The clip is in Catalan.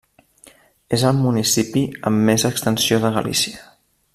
És el municipi amb més extensió de Galícia.